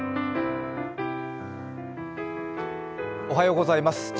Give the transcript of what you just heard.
おはようございます。